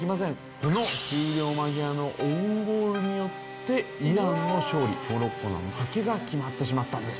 この終了間際のオウンゴールによってイランの勝利モロッコの負けが決まってしまったのです。